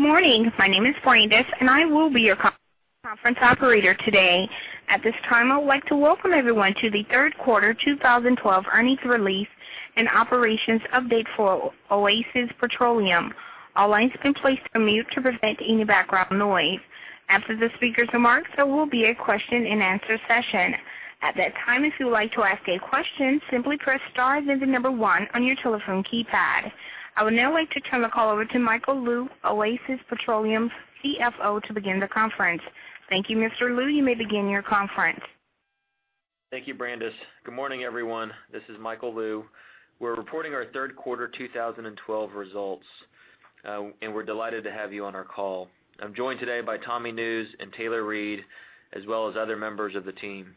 Good morning. My name is Brandice, and I will be your conference operator today. At this time, I would like to welcome everyone to the third quarter 2012 earnings release and operations update for Oasis Petroleum. All lines have been placed on mute to prevent any background noise. After the speakers' remarks, there will be a question-and-answer session. At that time, if you would like to ask a question, simply press star then the number one on your telephone keypad. I would now like to turn the call over to Michael Lou, Oasis Petroleum's CFO, to begin the conference. Thank you, Mr. Lou. You may begin your conference. Thank you, Brandice. Good morning, everyone. This is Michael Lou. We're reporting our third quarter 2012 results. We're delighted to have you on our call. I'm joined today by Thomas Nusz and Taylor Reid, as well as other members of the team.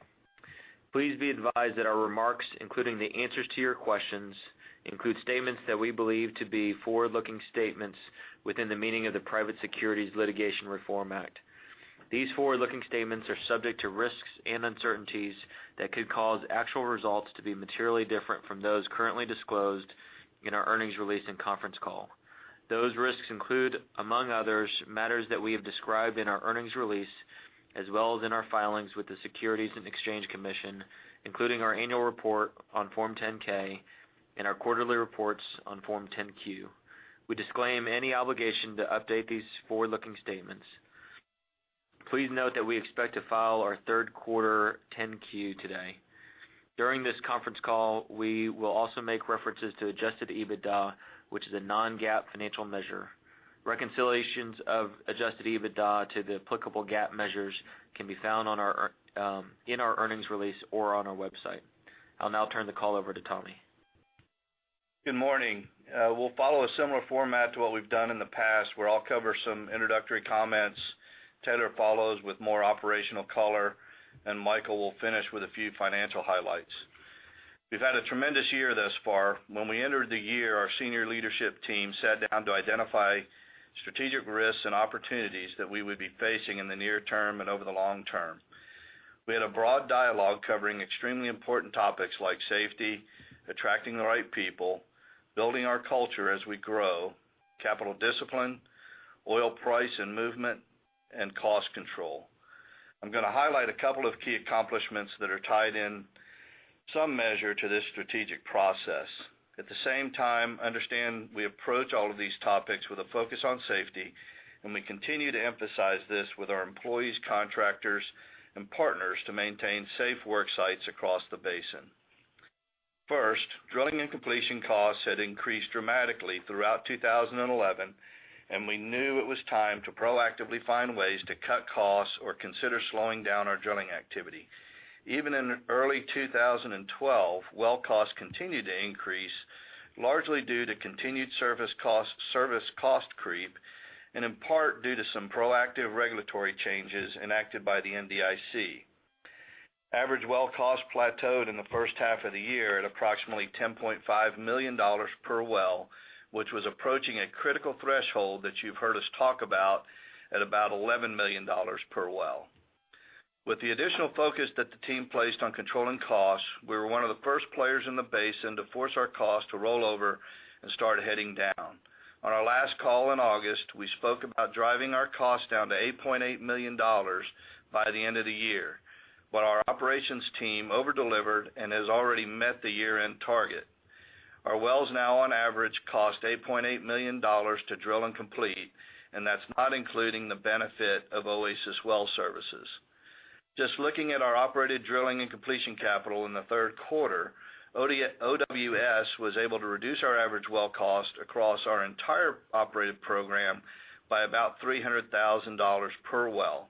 Please be advised that our remarks, including the answers to your questions, include statements that we believe to be forward-looking statements within the meaning of the Private Securities Litigation Reform Act. These forward-looking statements are subject to risks and uncertainties that could cause actual results to be materially different from those currently disclosed in our earnings release and conference call. Those risks include, among others, matters that we have described in our earnings release, as well as in our filings with the Securities and Exchange Commission, including our annual report on Form 10-K and our quarterly reports on Form 10-Q. We disclaim any obligation to update these forward-looking statements. Please note that we expect to file our third quarter 10-Q today. During this conference call, we will also make references to adjusted EBITDA, which is a non-GAAP financial measure. Reconciliations of adjusted EBITDA to the applicable GAAP measures can be found in our earnings release or on our website. I'll now turn the call over to Tommy. Good morning. We'll follow a similar format to what we've done in the past, where I'll cover some introductory comments, Taylor follows with more operational color, Michael will finish with a few financial highlights. We've had a tremendous year thus far. When we entered the year, our senior leadership team sat down to identify strategic risks and opportunities that we would be facing in the near term and over the long term. We had a broad dialogue covering extremely important topics like safety, attracting the right people, building our culture as we grow, capital discipline, oil price and movement, and cost control. I'm going to highlight a couple of key accomplishments that are tied in some measure to this strategic process. At the same time, understand we approach all of these topics with a focus on safety. We continue to emphasize this with our employees, contractors, and partners to maintain safe work sites across the basin. First, drilling and completion costs had increased dramatically throughout 2011. We knew it was time to proactively find ways to cut costs or consider slowing down our drilling activity. Even in early 2012, well costs continued to increase, largely due to continued service cost creep, and in part, due to some proactive regulatory changes enacted by the NDIC. Average well cost plateaued in the first half of the year at approximately $10.5 million per well, which was approaching a critical threshold that you've heard us talk about at about $11 million per well. With the additional focus that the team placed on controlling costs, we were one of the first players in the basin to force our costs to roll over and start heading down. On our last call in August, we spoke about driving our costs down to $8.8 million by the end of the year. Well, our operations team over-delivered and has already met the year-end target. Our wells now, on average, cost $8.8 million to drill and complete, and that's not including the benefit of Oasis Well Services. Just looking at our operated drilling and completion capital in the third quarter, OWS was able to reduce our average well cost across our entire operated program by about $300,000 per well,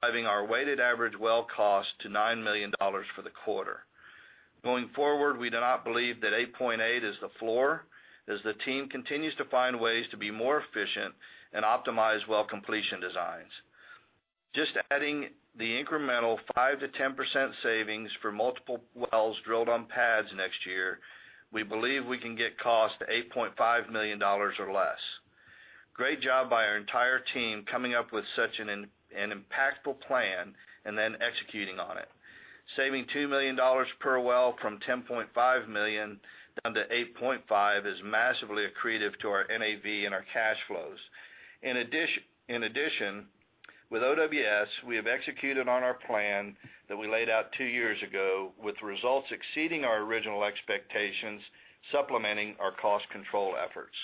driving our weighted average well cost to $9 million for the quarter. Going forward, we do not believe that $8.8 is the floor as the team continues to find ways to be more efficient and optimize well completion designs. Just adding the incremental 5%-10% savings for multiple wells drilled on pads next year, we believe we can get costs to $8.5 million or less. Great job by our entire team coming up with such an impactful plan. Then executing on it, saving $2 million per well from $10.5 million down to $8.5 is massively accretive to our NAV and our cash flows. In addition, with OWS, we have executed on our plan that we laid out two years ago with results exceeding our original expectations, supplementing our cost control efforts.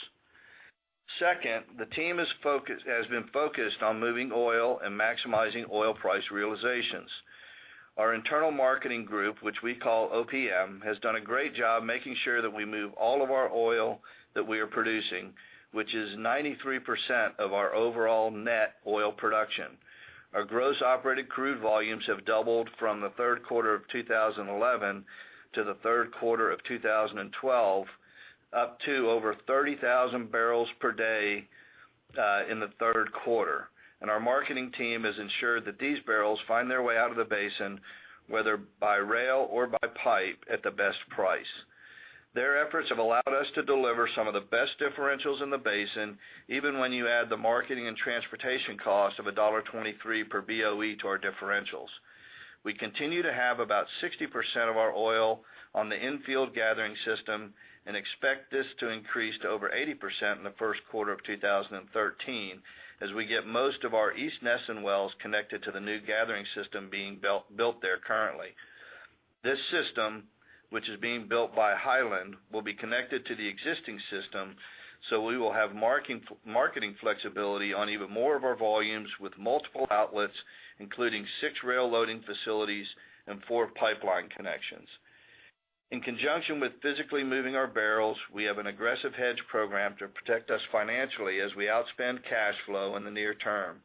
Second, the team has been focused on moving oil and maximizing oil price realizations. Our internal marketing group, which we call OPM, has done a great job making sure that we move all of our oil that we are producing, which is 93% of our overall net oil production. Our gross operated crude volumes have doubled from the third quarter of 2011 to the third quarter of 2012, up to over 30,000 barrels per day in the third quarter. Our marketing team has ensured that these barrels find their way out of the basin, whether by rail or by pipe, at the best price. Their efforts have allowed us to deliver some of the best differentials in the basin, even when you add the marketing and transportation cost of $1.23 per Boe to our differentials. We continue to have about 60% of our oil on the infield gathering system and expect this to increase to over 80% in the first quarter of 2013, as we get most of our East Nesson wells connected to the new gathering system being built there currently. This system, which is being built by Hiland, will be connected to the existing system, we will have marketing flexibility on even more of our volumes with multiple outlets, including six rail loading facilities and four pipeline connections. In conjunction with physically moving our barrels, we have an aggressive hedge program to protect us financially as we outspend cash flow in the near term.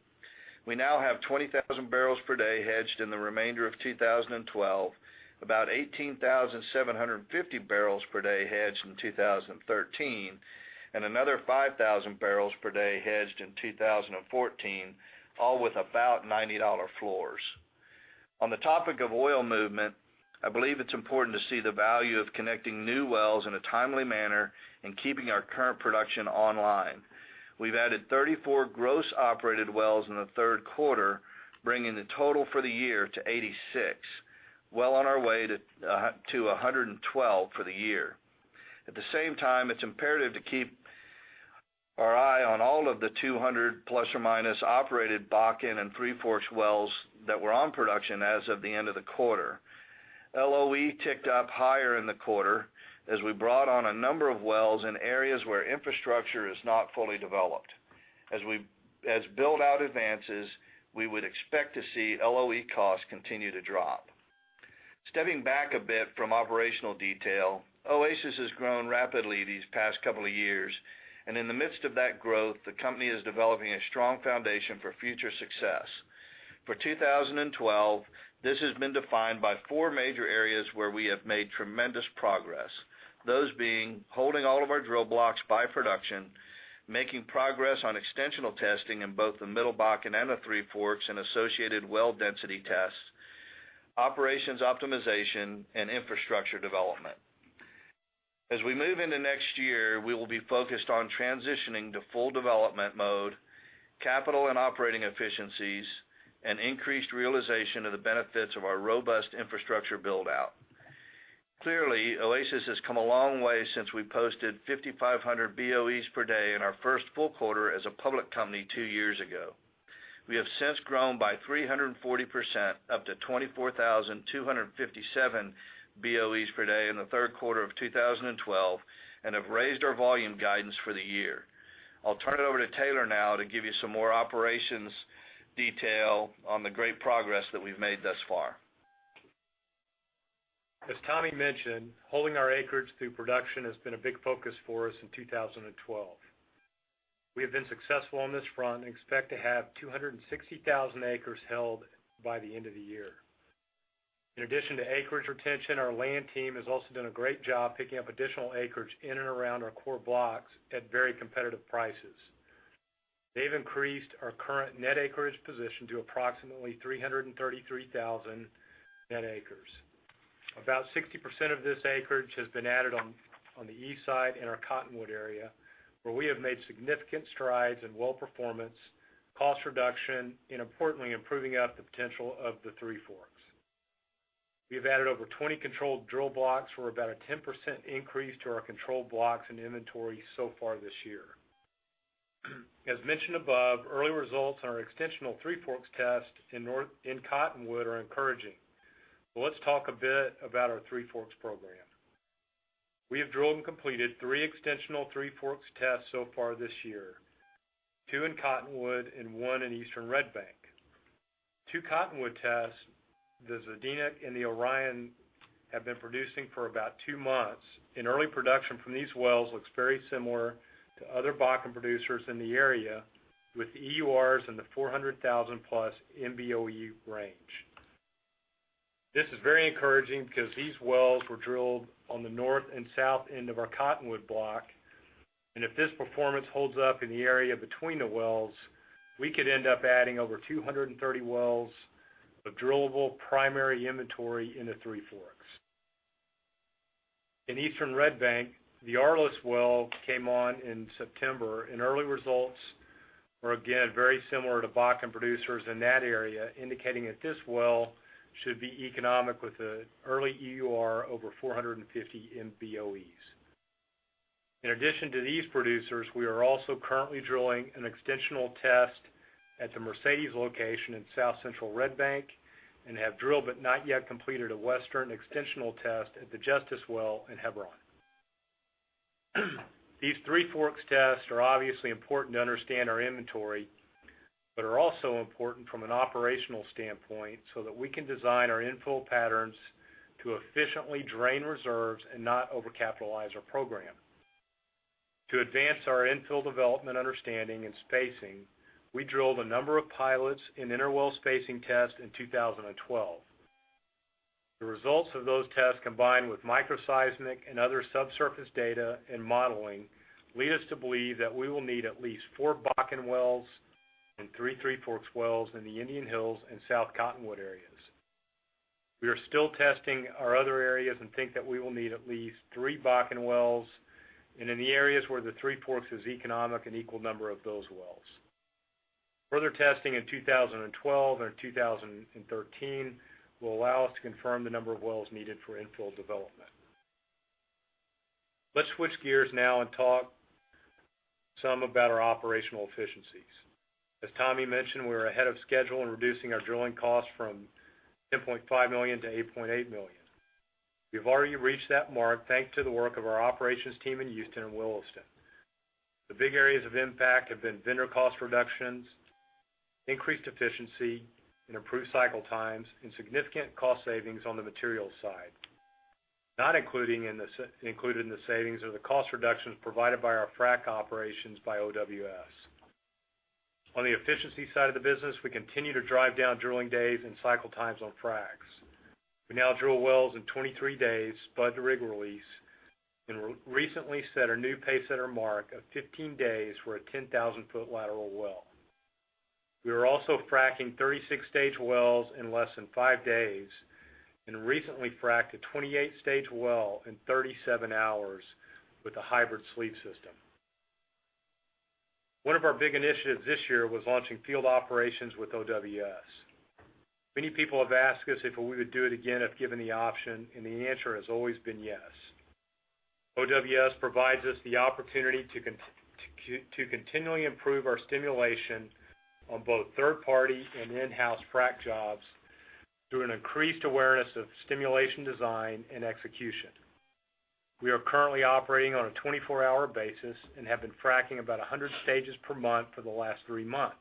We now have 20,000 barrels per day hedged in the remainder of 2012, about 18,750 barrels per day hedged in 2013, and another 5,000 barrels per day hedged in 2014, all with about $90 floors. On the topic of oil movement, I believe it's important to see the value of connecting new wells in a timely manner and keeping our current production online. We've added 34 gross operated wells in the third quarter, bringing the total for the year to 86, well on our way to 112 for the year. At the same time, it's imperative to keep our eye on all of the 200 plus or minus operated Bakken and Three Forks wells that were on production as of the end of the quarter. LOE ticked up higher in the quarter as we brought on a number of wells in areas where infrastructure is not fully developed. As build-out advances, we would expect to see LOE costs continue to drop. Stepping back a bit from operational detail, Oasis has grown rapidly these past couple of years, and in the midst of that growth, the company is developing a strong foundation for future success. For 2012, this has been defined by four major areas where we have made tremendous progress. Those being: holding all of our drill blocks by production, making progress on extensional testing in both the Middle Bakken and the Three Forks and associated well density tests, operations optimization, and infrastructure development. As we move into next year, we will be focused on transitioning to full development mode, capital and operating efficiencies, and increased realization of the benefits of our robust infrastructure build-out. Clearly, Oasis has come a long way since we posted 5,500 BOEs per day in our first full quarter as a public company two years ago. We have since grown by 340%, up to 24,257 BOEs per day in the third quarter of 2012, have raised our volume guidance for the year. I'll turn it over to Taylor now to give you some more operations detail on the great progress that we've made thus far. As Tommy mentioned, holding our acreage through production has been a big focus for us in 2012. We have been successful on this front and expect to have 260,000 acres held by the end of the year. In addition to acreage retention, our land team has also done a great job picking up additional acreage in and around our core blocks at very competitive prices. They've increased our current net acreage position to approximately 333,000 net acres. About 60% of this acreage has been added on the east side in our Cottonwood area, where we have made significant strides in well performance, cost reduction, and importantly, improving up the potential of the Three Forks. We've added over 20 controlled drill blocks for about a 10% increase to our controlled blocks and inventory so far this year. Let's talk a bit about our Three Forks program. We have drilled and completed three extensional Three Forks tests so far this year, two in Cottonwood and one in eastern Red Bank. Two Cottonwood tests, the Zednik and the Orion, have been producing for about two months, and early production from these wells looks very similar to other Bakken producers in the area, with EURs in the 400,000+ MBoe range. This is very encouraging because these wells were drilled on the north and south end of our Cottonwood block, and if this performance holds up in the area between the wells, we could end up adding over 230 wells of drillable primary inventory in the Three Forks. In eastern Red Bank, the Arliss well came on in September, and early results are again very similar to Bakken producers in that area, indicating that this well should be economic with an early EUR over 450 MBoe. In addition to these producers, we are also currently drilling an extensional test at the Mercedes location in south central Red Bank and have drilled but not yet completed a western extensional test at the Justice well in Hebron. These Three Forks tests are obviously important to understand our inventory, but are also important from an operational standpoint, so that we can design our infill patterns to efficiently drain reserves and not overcapitalize our program. To advance our infill development understanding and spacing, we drilled a number of pilots in inter-well spacing tests in 2012. The results of those tests, combined with microseismic and other subsurface data and modeling, lead us to believe that we will need at least four Bakken wells and three Three Forks wells in the Indian Hills and South Cottonwood areas. We are still testing our other areas and think that we will need at least three Bakken wells. In the areas where the Three Forks is economic, an equal number of those wells. Further testing in 2012 and 2013 will allow us to confirm the number of wells needed for infill development. Let's switch gears now and talk some about our operational efficiencies. As Tommy mentioned, we're ahead of schedule in reducing our drilling costs from $10.5 million to $8.8 million. We've already reached that mark, thanks to the work of our operations team in Houston and Williston. The big areas of impact have been vendor cost reductions, increased efficiency, and improved cycle times, and significant cost savings on the materials side. Not included in the savings are the cost reductions provided by our frac operations by OWS. On the efficiency side of the business, we continue to drive down drilling days and cycle times on fracs. We now drill wells in 23 days spud-to-rig release, and recently set a new pacesetter mark of 15 days for a 10,000-foot lateral well. We are also fracking 36-stage wells in less than five days, and recently fracked a 28-stage well in 37 hours with a hybrid sleeve system. One of our big initiatives this year was launching field operations with OWS. Many people have asked us if we would do it again if given the option, and the answer has always been yes. OWS provides us the opportunity to continually improve our stimulation on both third-party and in-house frac jobs through an increased awareness of stimulation design and execution. We are currently operating on a 24-hour basis and have been fracking about 100 stages per month for the last three months.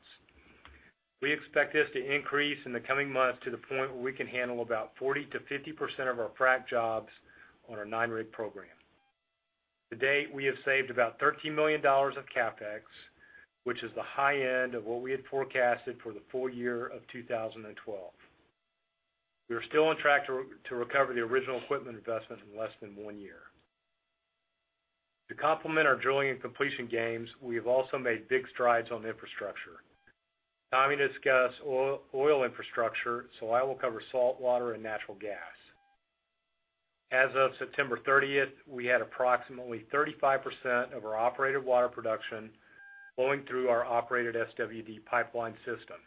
We expect this to increase in the coming months to the point where we can handle about 40%-50% of our frac jobs on our nine-rig program. To date, we have saved about $13 million of CapEx, which is the high end of what we had forecasted for the full year of 2012. We are still on track to recover the original equipment investment in less than one year. To complement our drilling and completion gains, we have also made big strides on infrastructure. Tommy discussed oil infrastructure, so I will cover saltwater and natural gas. As of September 30th, we had approximately 35% of our operated water production flowing through our operated SWD pipeline system.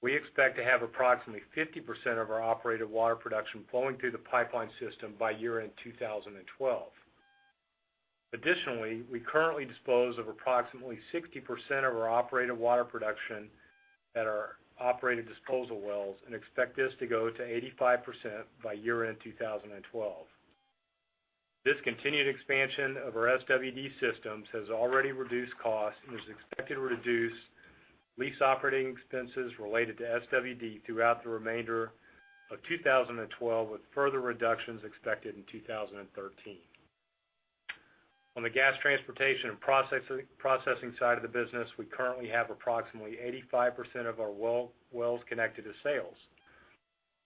We expect to have approximately 50% of our operated water production flowing through the pipeline system by year-end 2012. Additionally, we currently dispose of approximately 60% of our operated water production at our operated disposal wells and expect this to go to 85% by year-end 2012. This continued expansion of our SWD systems has already reduced costs and is expected to reduce lease operating expenses related to SWD throughout the remainder of 2012, with further reductions expected in 2013. On the gas transportation and processing side of the business, we currently have approximately 85% of our wells connected to sales.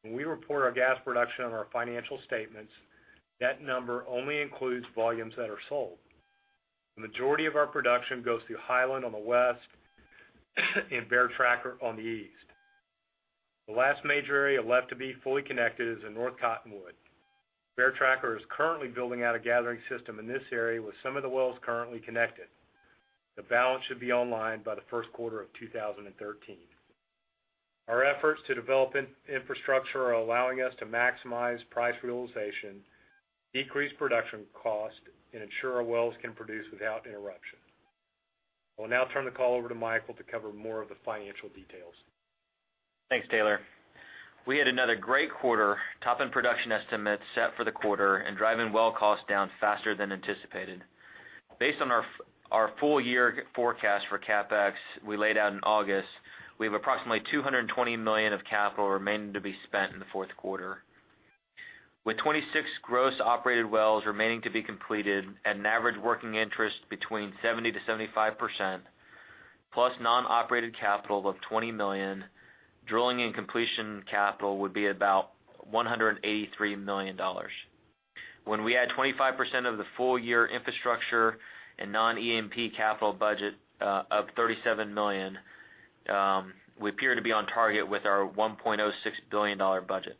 When we report our gas production on our financial statements, that number only includes volumes that are sold. The majority of our production goes through Hiland on the west and Bear Tracker on the east. The last major area left to be fully connected is in North Cottonwood. Bear Tracker is currently building out a gathering system in this area with some of the wells currently connected. The balance should be online by the first quarter of 2013. Our efforts to develop infrastructure are allowing us to maximize price realization, decrease production cost, and ensure our wells can produce without interruption. I will now turn the call over to Michael to cover more of the financial details. Thanks, Taylor. We had another great quarter, topping production estimates set for the quarter and driving well costs down faster than anticipated. Based on our full-year forecast for CapEx we laid out in August, we have approximately $220 million of capital remaining to be spent in the fourth quarter. With 26 gross operated wells remaining to be completed at an average working interest between 70%-75%, plus non-operated capital of $20 million, drilling and completion capital would be about $183 million. When we add 25% of the full-year infrastructure and non-E&P capital budget of $37 million, we appear to be on target with our $1.06 billion budget.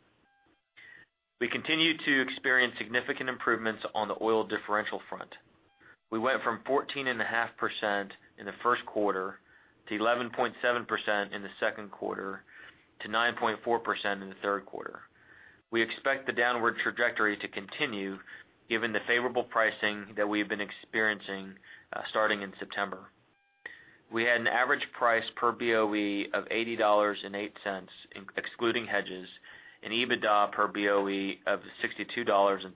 We continue to experience significant improvements on the oil differential front. We went from 14.5% in the first quarter, to 11.7% in the second quarter, to 9.4% in the third quarter. We expect the downward trajectory to continue given the favorable pricing that we have been experiencing starting in September. We had an average price per BOE of $80.08, excluding hedges, and EBITDA per BOE of $62.37.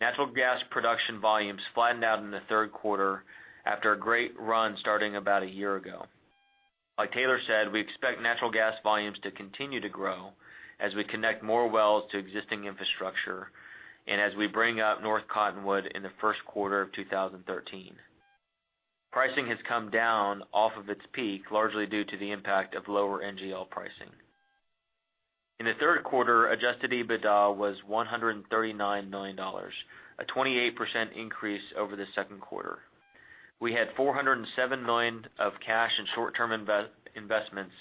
Natural gas production volumes flattened out in the third quarter after a great run starting about a year ago. Like Taylor said, we expect natural gas volumes to continue to grow as we connect more wells to existing infrastructure and as we bring up North Cottonwood in the first quarter of 2013. Pricing has come down off of its peak, largely due to the impact of lower NGL pricing. In the third quarter, adjusted EBITDA was $139 million, a 28% increase over the second quarter. We had $407 million of cash and short-term investments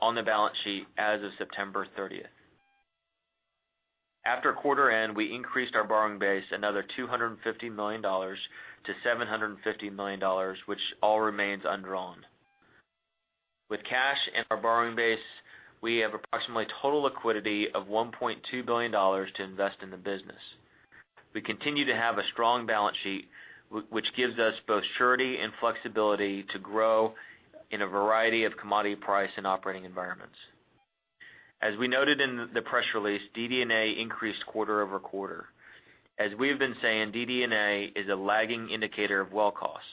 on the balance sheet as of September 30th. After quarter end, we increased our borrowing base another $250 million to $750 million, which all remains undrawn. With cash and our borrowing base, we have approximately total liquidity of $1.2 billion to invest in the business. We continue to have a strong balance sheet, which gives us both surety and flexibility to grow in a variety of commodity price and operating environments. As we noted in the press release, DD&A increased quarter-over-quarter. As we have been saying, DD&A is a lagging indicator of well costs,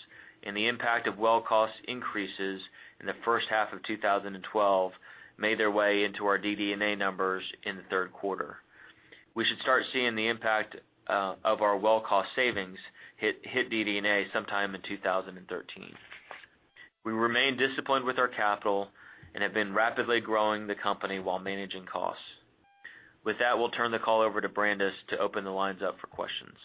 and the impact of well cost increases in the first half of 2012 made their way into our DD&A numbers in the third quarter. We should start seeing the impact of our well cost savings hit DD&A sometime in 2013. We remain disciplined with our capital and have been rapidly growing the company while managing costs. With that, we'll turn the call over to Brandice to open the lines up for questions.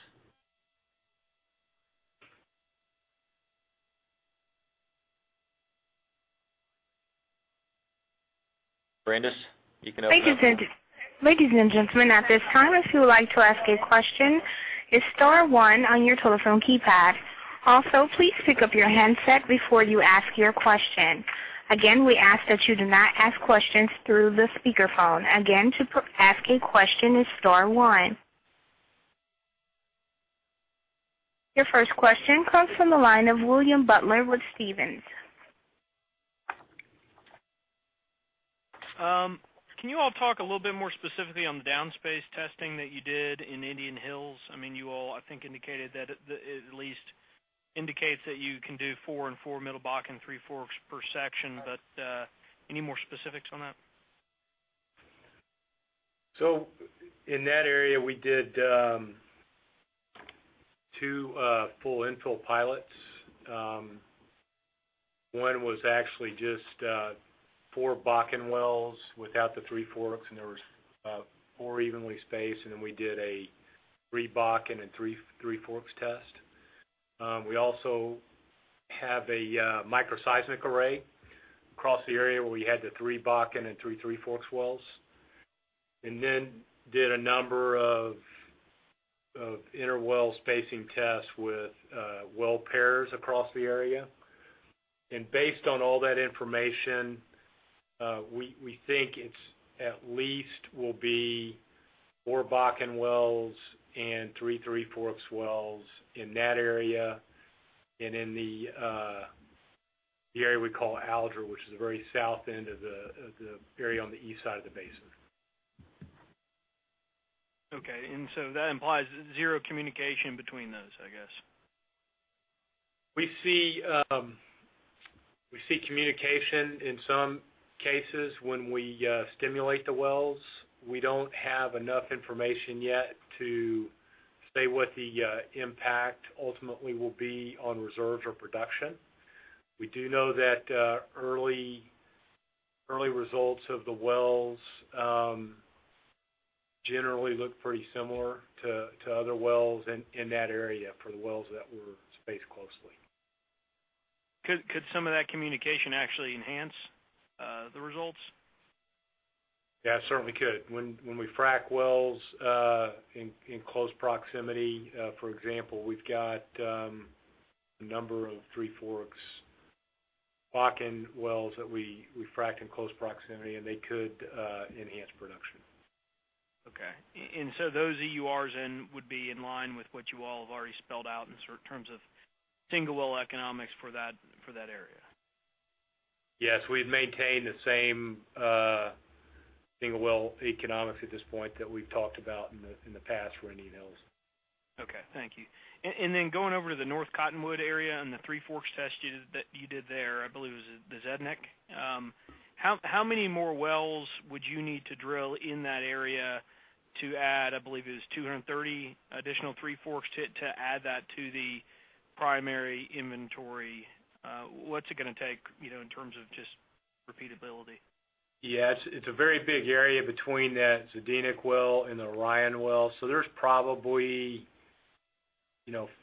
Brandice, you can open up the Ladies and gentlemen, at this time, if you would like to ask a question, hit star one on your telephone keypad. Also, please pick up your handset before you ask your question. Again, we ask that you do not ask questions through the speakerphone. Again, to ask a question is star one. Your first question comes from the line of William Butler with Stephens. Can you all talk a little bit more specifically on the down space testing that you did in Indian Hills? You all, I think, indicated that it at least indicates that you can do four and four Middle Bakken, Three Forks per section. Any more specifics on that? In that area, we did two full infill pilots. One was actually just four Bakken wells without the Three Forks, and there was four evenly spaced, and then we did a three Bakken and three Three Forks test. We also have a micro seismic array across the area where we had the three Bakken and three Three Forks wells. Did a number of inter well spacing tests with well pairs across the area. Based on all that information, we think it at least will be four Bakken wells and three Three Forks wells in that area, and in the area we call Alger, which is the very south end of the area on the east side of the basin. Okay. That implies zero communication between those, I guess. We see communication in some cases when we stimulate the wells. We don't have enough information yet to say what the impact ultimately will be on reserves or production. We do know that early results of the wells generally look pretty similar to other wells in that area for the wells that were spaced closely. Could some of that communication actually enhance the results? Yeah, it certainly could. When we frack wells in close proximity, for example, we've got a number of Three Forks Bakken wells that we fracked in close proximity. They could enhance production. Okay. Those EURs then would be in line with what you all have already spelled out in terms of single well economics for that area. Yes, we've maintained the same single well economics at this point that we've talked about in the past for Indian Hills. Okay, thank you. Then going over to the North Cottonwood area and the Three Forks test that you did there, I believe it was the Zednik. How many more wells would you need to drill in that area to add, I believe it was 230 additional Three Forks to add that to the primary inventory? What's it going to take in terms of just repeatability? Yeah. It's a very big area between that Zednik well and the Ryan well. There's probably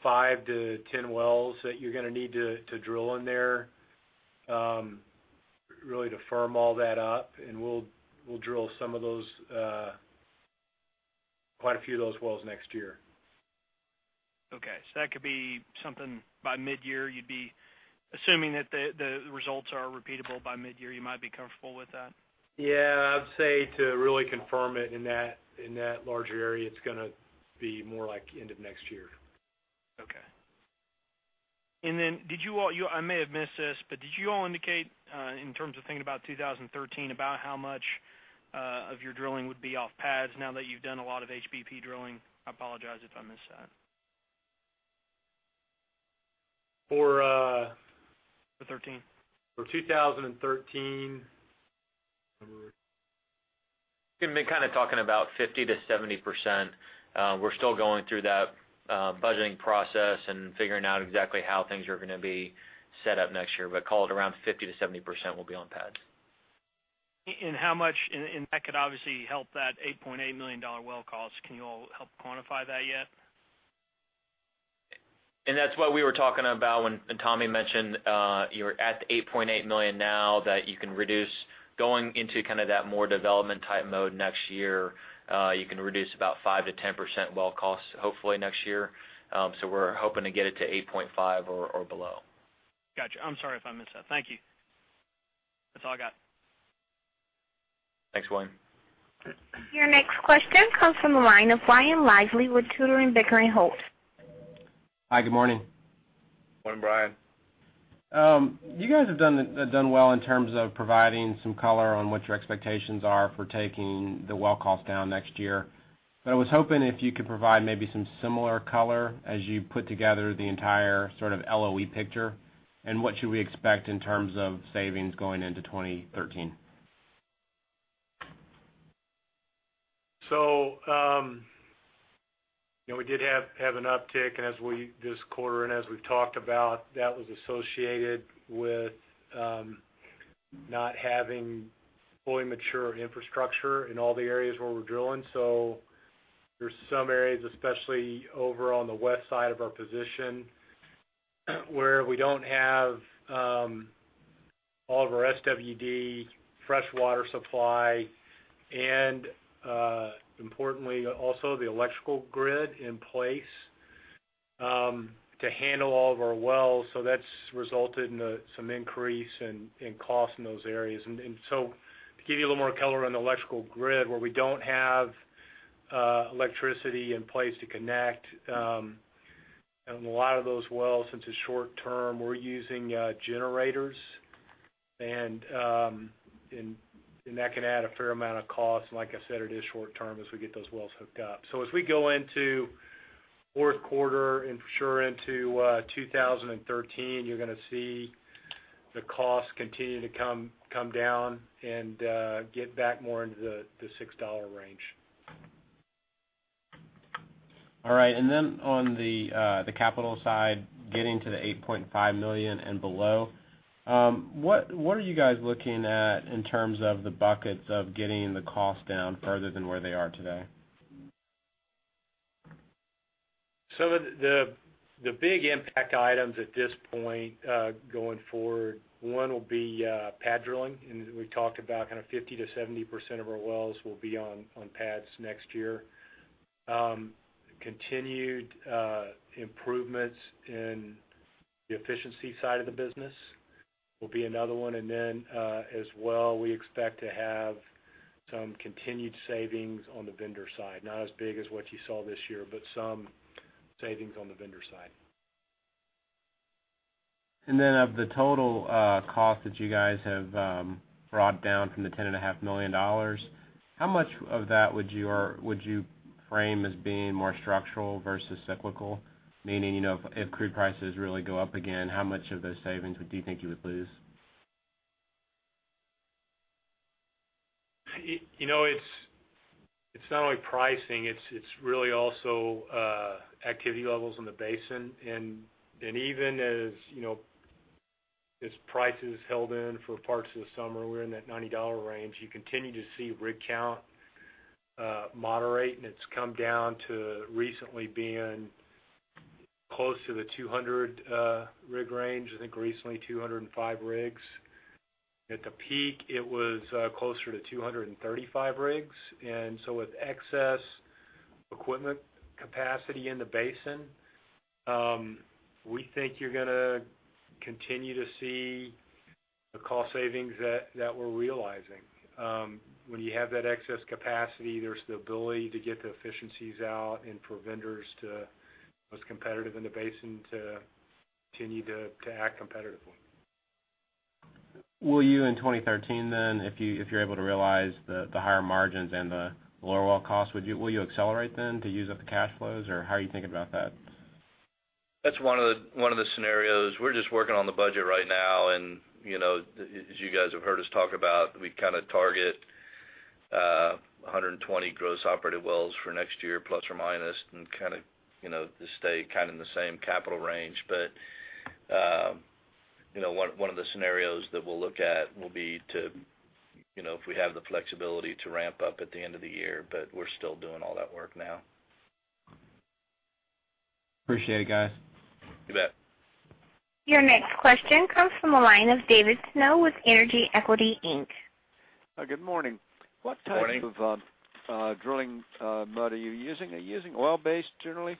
five-10 wells that you're going to need to drill in there really to firm all that up, and we'll drill quite a few of those wells next year. Okay. That could be something by mid-year, you'd be assuming that the results are repeatable by mid-year, you might be comfortable with that? Yeah. I'd say to really confirm it in that larger area, it's going to be more like end of next year. Okay. Then, I may have missed this, but did you all indicate, in terms of thinking about 2013, about how much of your drilling would be off pads now that you've done a lot of HBP drilling? I apologize if I missed that. For? For 2013. For 2013. We've been talking about 50%-70%. We're still going through that budgeting process and figuring out exactly how things are going to be set up next year. Call it around 50%-70% will be on pads. That could obviously help that $8.8 million well cost. Can you all help quantify that yet? That's what we were talking about when Tommy mentioned you're at the $8.8 million now that you can reduce going into that more development type mode next year. You can reduce about 5%-10% well cost, hopefully next year. We're hoping to get it to $8.5 or below. Got you. I'm sorry if I missed that. Thank you. That's all I got. Thanks, William. Your next question comes from the line of Brian Lively with Tudor, Pickering & Holt. Hi, good morning. Morning, Brian. You guys have done well in terms of providing some color on what your expectations are for taking the well cost down next year. I was hoping if you could provide maybe some similar color as you put together the entire sort of LOE picture, and what should we expect in terms of savings going into 2013? We did have an uptick this quarter, and as we've talked about, that was associated with not having fully mature infrastructure in all the areas where we're drilling. There's some areas, especially over on the west side of our position, where we don't have all of our SWD freshwater supply, and importantly, also the electrical grid in place to handle all of our wells, so that's resulted in some increase in cost in those areas. To give you a little more color on the electrical grid, where we don't have electricity in place to connect, and a lot of those wells, since it's short term, we're using generators, and that can add a fair amount of cost. Like I said, it is short term as we get those wells hooked up. As we go into fourth quarter and for sure into 2013, you're going to see the costs continue to come down and get back more into the $6 range. All right. On the capital side, getting to the $8.5 million and below, what are you guys looking at in terms of the buckets of getting the cost down further than where they are today? The big impact items at this point, going forward, one will be pad drilling, and we talked about 50%-70% of our wells will be on pads next year. Continued improvements in the efficiency side of the business will be another one, and then, as well, we expect to have some continued savings on the vendor side. Not as big as what you saw this year, but some savings on the vendor side. Of the total cost that you guys have brought down from the $10.5 million, how much of that would you frame as being more structural versus cyclical? Meaning, if crude prices really go up again, how much of those savings would you think you would lose? It's not only pricing, it's really also activity levels in the basin. Even as prices held in for parts of the summer, we're in that $90 range. You continue to see rig count moderate, and it's come down to recently being close to the 200 rig range, I think recently 205 rigs. At the peak, it was closer to 235 rigs. With excess equipment capacity in the basin, we think you're going to continue to see the cost savings that we're realizing. When you have that excess capacity, there's the ability to get the efficiencies out and for vendors, most competitive in the basin, to continue to act competitively. Will you, in 2013 then, if you're able to realize the higher margins and the lower well cost, will you accelerate then to use up the cash flows? How are you thinking about that? That's one of the scenarios. We're just working on the budget right now. As you guys have heard us talk about, we target 120 gross operated wells for next year, plus or minus, and to stay in the same capital range. One of the scenarios that we'll look at will be if we have the flexibility to ramp up at the end of the year, but we're still doing all that work now. Appreciate it, guys. You bet. Your next question comes from the line of David Snow with Energy Equities, Inc. Good morning. Morning. What type of drilling mud are you using? Are you using oil-based generally?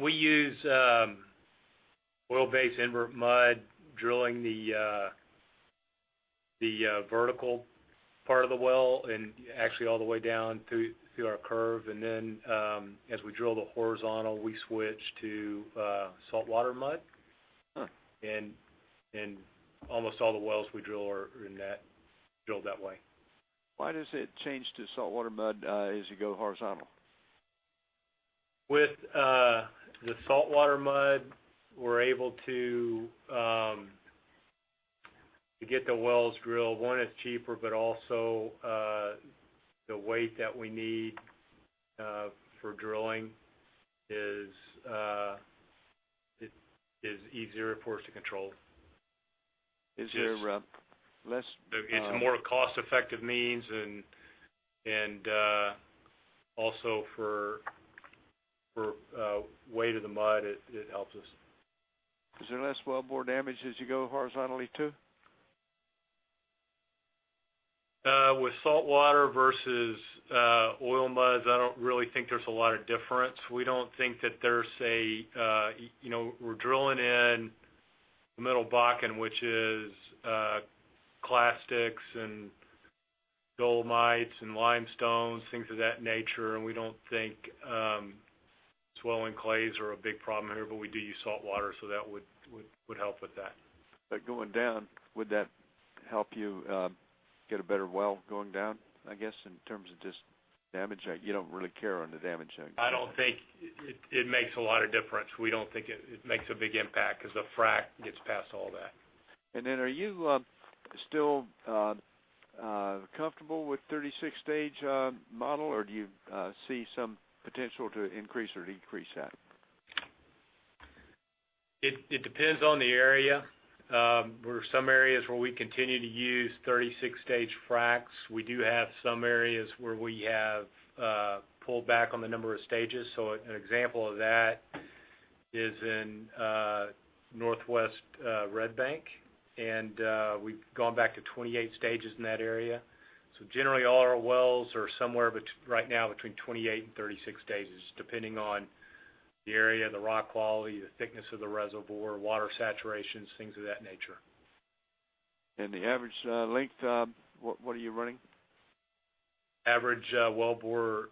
We use oil-based invert mud, drilling the vertical part of the well, and actually all the way down through our curve. Then, as we drill the horizontal, we switch to saltwater mud. Huh. Almost all the wells we drill are drilled that way. Why does it change to saltwater mud as you go horizontal? With the saltwater mud, we're able to get the wells drilled. One, it's cheaper, but also The weight that we need for drilling is easier for us to control. Is there less- It's a more cost-effective means, also for weight of the mud, it helps us. Is there less well bore damage as you go horizontally too? With saltwater versus oil muds, I don't really think there's a lot of difference. We're drilling in the middle Bakken, which is clastics and dolomites and limestones, things of that nature, we don't think swelling clays are a big problem here. We do use salt water, that would help with that. Going down, would that help you get a better well going down, I guess, in terms of just damage? You don't really care on the damage then. I don't think it makes a lot of difference. We don't think it makes a big impact because the frack gets past all that. Are you still comfortable with 36-stage model, or do you see some potential to increase or decrease that? It depends on the area. There are some areas where we continue to use 36-stage fracs. We do have some areas where we have pulled back on the number of stages. An example of that is in northwest Red Bank, and we've gone back to 28 stages in that area. Generally, all our wells are somewhere right now between 28 and 36 stages, depending on the area, the rock quality, the thickness of the reservoir, water saturations, things of that nature. The average length, what are you running? Average well bore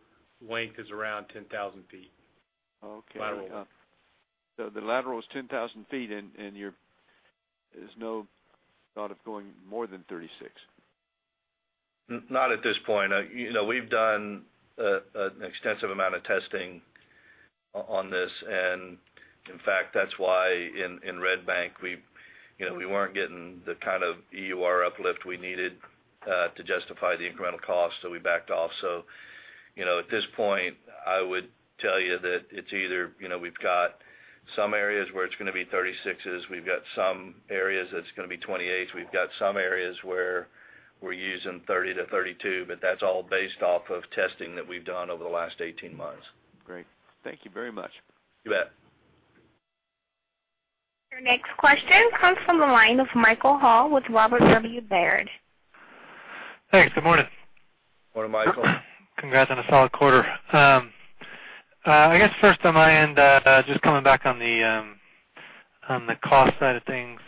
length is around 10,000 feet. Okay. Lateral. The lateral is 10,000 feet, and there's no thought of going more than 36. Not at this point. We've done an extensive amount of testing on this, and in fact, that's why in Red Bank, we weren't getting the kind of EUR uplift we needed to justify the incremental cost. We backed off. At this point, I would tell you that it's either we've got some areas where it's going to be 36s, we've got some areas that's it's going to be 28s, we've got some areas where we're using 30 to 32, but that's all based off of testing that we've done over the last 18 months. Great. Thank you very much. You bet. Your next question comes from the line of Michael Hall with Robert W. Baird. Thanks. Good morning. Good morning, Michael. Congrats on a solid quarter. I guess first on my end, just coming back on the cost side of things.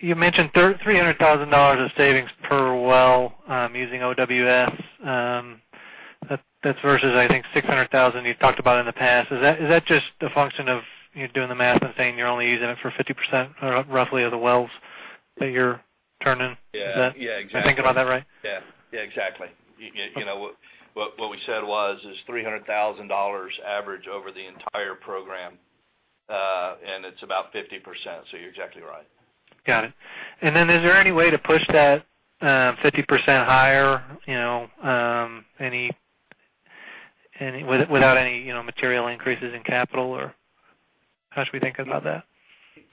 You mentioned $300,000 of savings per well using OWS. That's versus, I think $600,000 you talked about in the past. Is that just a function of you doing the math and saying you're only using it for 50% or roughly of the wells that you're turning? Yeah, exactly. Am I thinking about that right? Yeah. Exactly. What we said was, is $300,000 average over the entire program, and it's about 50%. You're exactly right. Got it. Is there any way to push that 50% higher without any material increases in capital, or how should we think about that?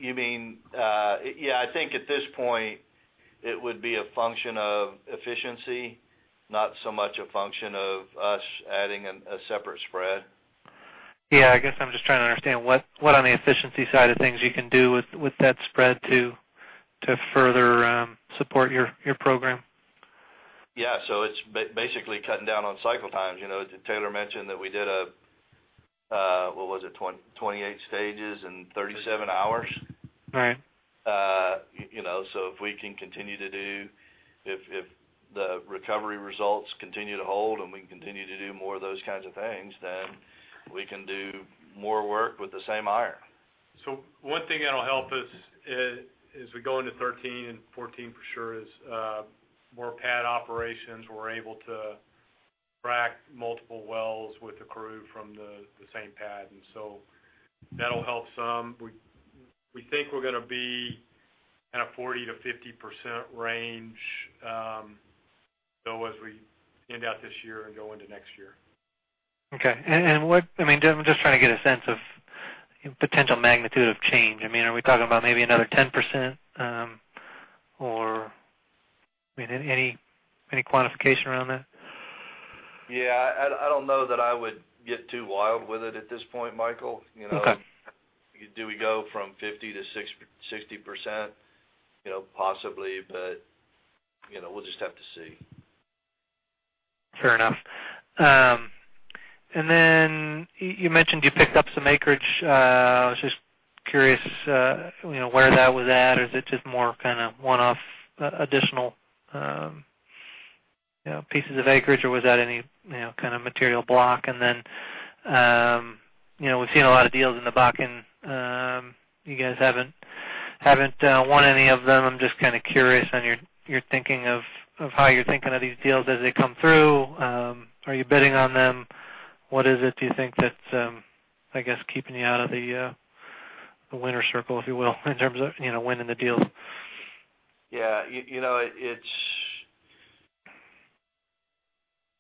I think at this point, it would be a function of efficiency, not so much a function of us adding a separate spread. Yeah, I guess I'm just trying to understand what on the efficiency side of things you can do with that spread to further support your program. Yeah. It's basically cutting down on cycle times. Taylor mentioned that we did, what was it? 28 stages in 37 hours. Right. If the recovery results continue to hold and we can continue to do more of those kinds of things, we can do more work with the same iron. One thing that'll help us as we go into 2013 and 2014 for sure is more pad operations. We're able to frack multiple wells with a crew from the same pad. That'll help some. We think we're going to be in a 40%-50% range though, as we end out this year and go into next year. Okay. I'm just trying to get a sense of potential magnitude of change. Are we talking about maybe another 10%? Any quantification around that? Yeah. I don't know that I would get too wild with it at this point, Michael. Okay. Do we go from 50%-60%? Possibly, we'll just have to see. Fair enough. You mentioned you picked up some acreage. I was just curious where that was at. Is it just more one-off additional pieces of acreage, or was that any kind of material block? We've seen a lot of deals in the Bakken. You guys haven't won any of them. I'm just curious on your thinking of how you're thinking of these deals as they come through. Are you bidding on them? What is it, do you think that's keeping you out of the winner's circle, if you will, in terms of winning the deals. Yeah.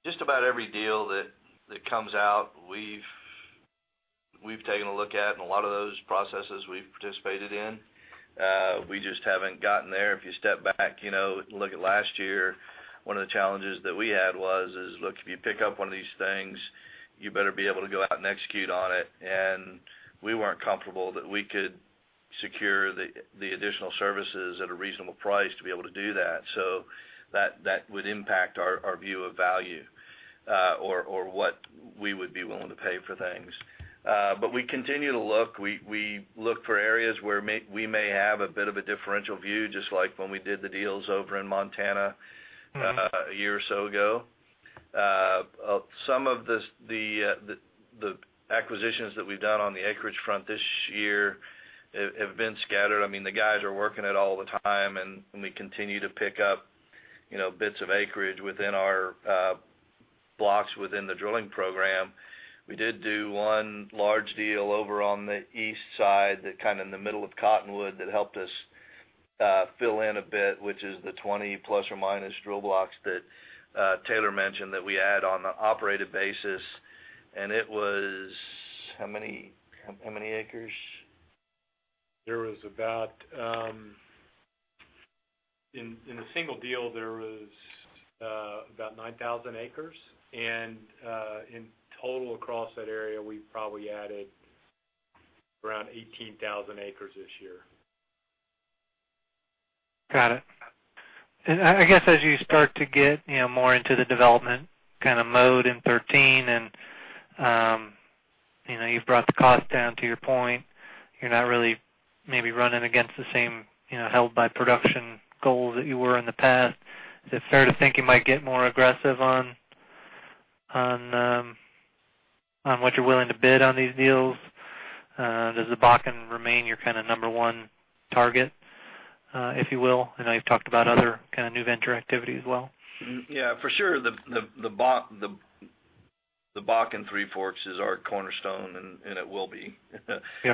Just about every deal that comes out, we've taken a look at, a lot of those processes we've participated in. We just haven't gotten there. If you step back, look at last year, one of the challenges that we had was, look, if you pick up one of these things, you better be able to go out and execute on it, we weren't comfortable that we could secure the additional services at a reasonable price to be able to do that. That would impact our view of value, or what we would be willing to pay for things. We continue to look. We look for areas where we may have a bit of a differential view, just like when we did the deals over in Montana a year or so ago. Some of the acquisitions that we've done on the acreage front this year have been scattered. The guys are working it all the time, we continue to pick up bits of acreage within our blocks within the drilling program. We did do one large deal over on the east side, in the middle of Cottonwood, that helped us fill in a bit, which is the 20 ± drill blocks that Taylor mentioned that we add on the operated basis, it was how many acres? There was about, in a single deal, there was about 9,000 acres, in total across that area, we probably added around 18,000 acres this year. Got it. I guess as you start to get more into the development mode in 2013, you've brought the cost down to your point, you're not really maybe running against the same held by production goals that you were in the past. Is it fair to think you might get more aggressive on what you're willing to bid on these deals? Does the Bakken remain your number 1 target, if you will? I know you've talked about other new venture activity as well. Yeah. For sure, the Bakken Three Forks is our cornerstone, and it will be. Yeah.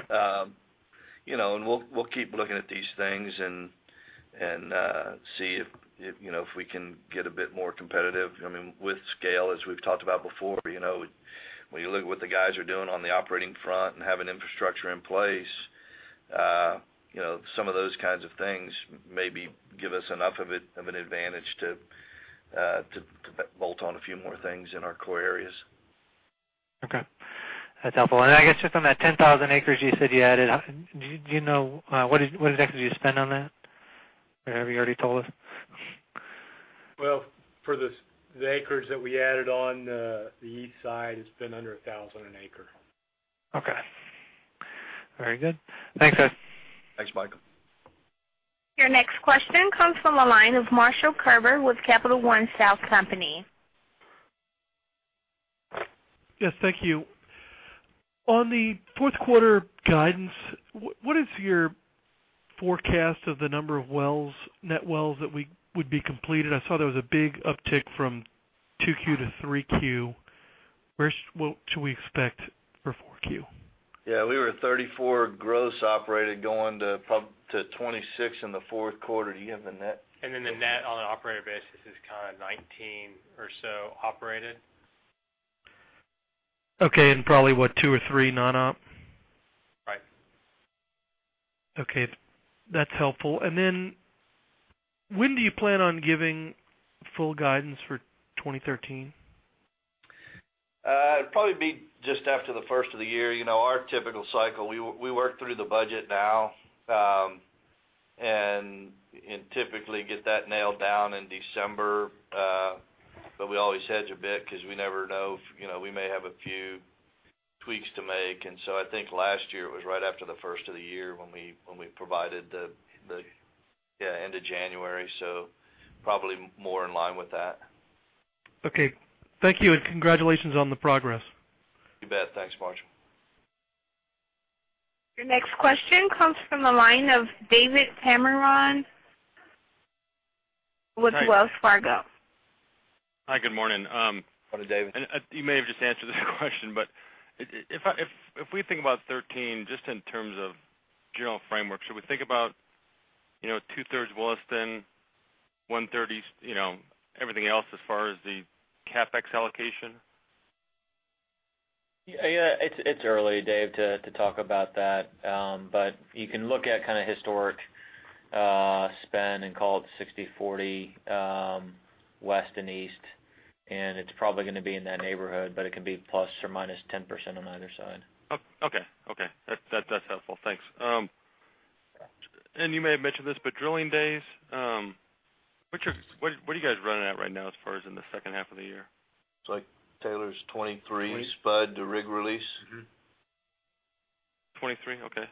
We'll keep looking at these things and see if we can get a bit more competitive. With scale, as we've talked about before, when you look at what the guys are doing on the operating front and having infrastructure in place, some of those kinds of things maybe give us enough of an advantage to bolt on a few more things in our core areas. Okay. That's helpful. I guess just on that 10,000 acres you said you added, do you know, what exactly did you spend on that? Or have you already told us? Well, for the acreage that we added on the east side, it's been under 1,000 an acre. Okay. Very good. Thanks, guys. Thanks, Michael. Your next question comes from the line of Marshall Carver with Capital One Southcoast. Yes, thank you. On the fourth quarter guidance, what is your forecast of the number of net wells that would be completed? I saw there was a big uptick from 2Q to 3Q. What should we expect for 4Q? Yeah, we were at 34 gross operated going to 26 in the fourth quarter. Do you have the net? The net on an operator basis is 19 or so operated. Okay, probably what, two or three non-op? Right. Okay. That's helpful. When do you plan on giving full guidance for 2013? It'll probably be just after the first of the year. Our typical cycle, we work through the budget now, typically get that nailed down in December, we always hedge a bit because we never know. We may have a few tweaks to make. I think last year it was right after the first of the year when we provided the end of January, probably more in line with that. Okay. Thank you, congratulations on the progress. You bet. Thanks, Marshall. Your next question comes from the line of David Tameron with Wells Fargo. Hi, good morning. Morning, David. You may have just answered this question, but if we think about 2013, just in terms of general framework, should we think about two-thirds Williston, one-third everything else as far as the CapEx allocation? Yeah, it's early, Dave, to talk about that. You can look at historic spend and call it 60/40 west and east, and it's probably going to be in that neighborhood, but it can be ±10% on either side. Okay. That's helpful. Thanks. You may have mentioned this, but drilling days, what are you guys running at right now as far as in the second half of the year? It's like Taylor's 23 spud to rig release. 23? Okay.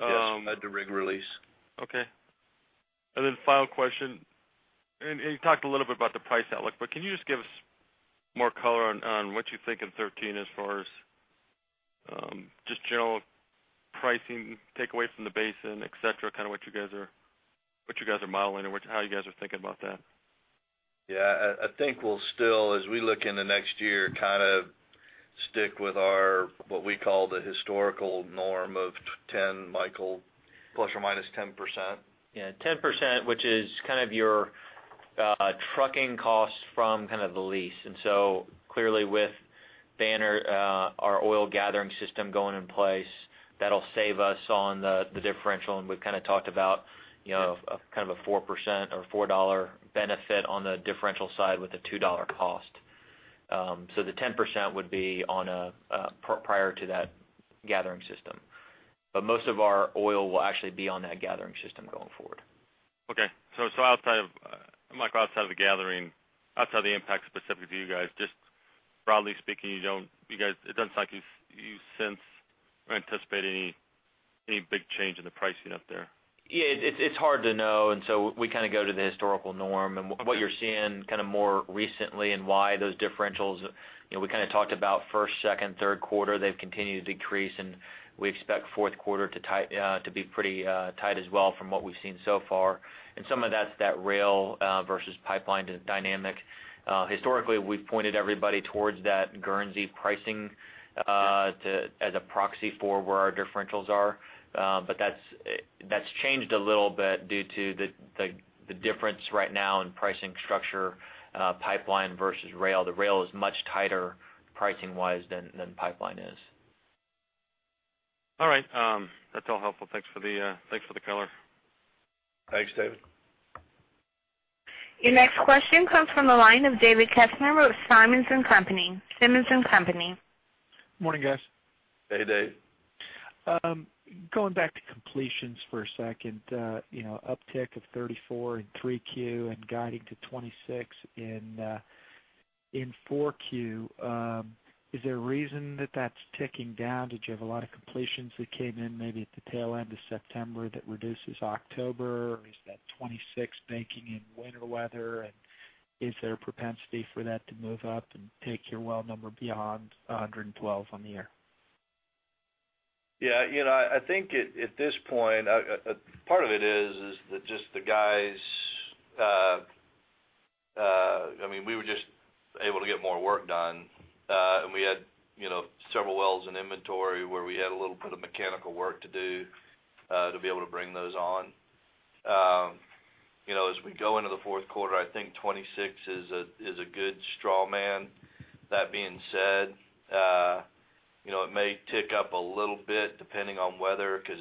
Yes, spud to rig release. Final question, you talked a little bit about the price outlook, but can you just give us more color on what you think in 2013 as far as just general pricing takeaways from the basin, et cetera, what you guys are modeling or how you guys are thinking about that? Yeah, I think we'll still, as we look into next year, stick with what we call the historical norm of 10, Michael, ±10%. Yeah, 10%, which is your trucking costs from the lease. Clearly with Banner, our oil gathering system going in place, that'll save us on the differential. We've talked about a 4% or $4 benefit on the differential side with a $2 cost. The 10% would be prior to that gathering system. Most of our oil will actually be on that gathering system going forward. Michael, outside of the gathering, outside the impact specific to you guys, just broadly speaking, it doesn't sound like you sense or anticipate any big change in the pricing up there. Yeah, it's hard to know. We go to the historical norm and what you're seeing more recently and why those differentials We talked about first, second, third quarter, they've continued to decrease and we expect fourth quarter to be pretty tight as well from what we've seen so far. Some of that's that rail versus pipeline dynamic. Historically, we've pointed everybody towards that Guernsey pricing as a proxy for where our differentials are. That's changed a little bit due to the difference right now in pricing structure, pipeline versus rail. The rail is much tighter pricing-wise than pipeline is. All right. That's all helpful. Thanks for the color. Thanks, David. Your next question comes from the line of David Deckelbaum with Simmons & Company. Morning, guys. Hey, Dave. Going back to completions for a second, uptick of 34 in Q3 and guiding to 26 in Q4. Is there a reason that that's ticking down? Did you have a lot of completions that came in maybe at the tail end of September that reduces October? Or is that 26 baking in winter weather? Is there a propensity for that to move up and take your well number beyond 112 on the year? I think at this point, part of it is just we were just able to get more work done. We had several wells in inventory where we had a little bit of mechanical work to do to be able to bring those on. As we go into the fourth quarter, I think 26 is a good straw man. That being said, it may tick up a little bit depending on weather, because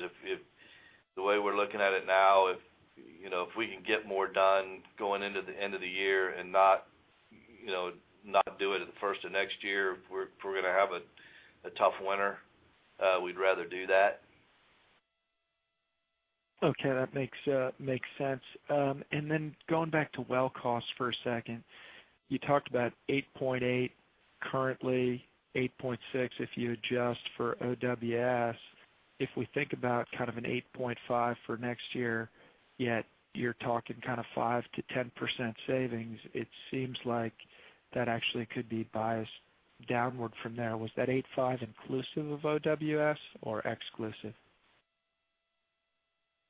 the way we're looking at it now, if we can get more done going into the end of the year and not do it at the first of next year, if we're going to have a tough winter, we'd rather do that. Okay. That makes sense. Going back to well costs for a second, you talked about 8.8 currently, 8.6 if you adjust for OWS. If we think about an 8.5 for next year, yet you're talking 5%-10% savings, it seems like that actually could be biased downward from there. Was that 8.5 inclusive of OWS or exclusive?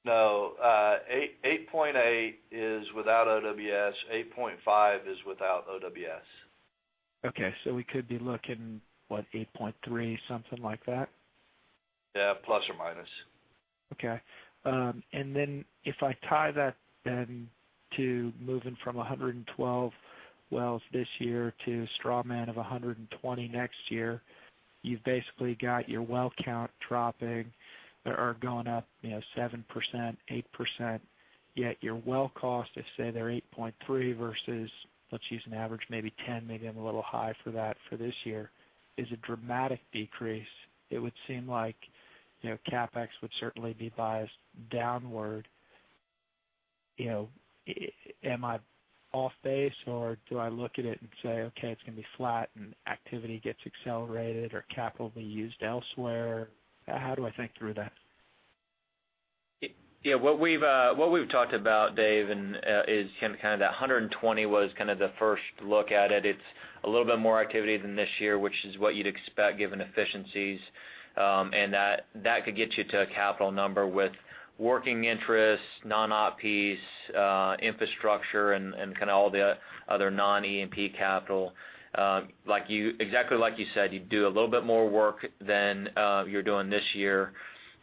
No. 8.8 is without OWS. 8.5 is without OWS. Okay. We could be looking, what, 8.3, something like that? Yeah, ±. Okay. Then if I tie that then to moving from 112 wells this year to a straw man of 120 next year, you've basically got your well count dropping or going up 7%-8%, yet your well cost, let's say they're $8.3 versus, let's use an average maybe $10, maybe I'm a little high for that for this year, is a dramatic decrease. It would seem like CapEx would certainly be biased downward. Am I off base or do I look at it and say, "Okay, it's going to be flat and activity gets accelerated or capital will be used elsewhere"? How do I think through that? What we've talked about, Dave, is that 120 was the first look at it. It's a little bit more activity than this year, which is what you'd expect given efficiencies. That could get you to a capital number with working interest, non-OPs, infrastructure, and all the other non-E&P capital. Exactly like you said, you do a little bit more work than you're doing this year,